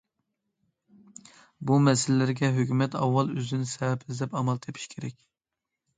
بۇ مەسىلىلەرگە ھۆكۈمەت ئاۋۋال ئۆزىدىن سەۋەب ئىزدەپ ئامال تېپىشى كېرەك.